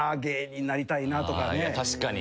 確かに。